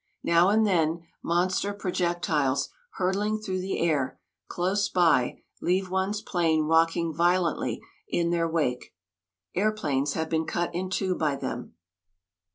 Now and then monster projectiles hurtling through the air close by leave one's plane rocking violently in their wake. Airplanes have been cut in two by them.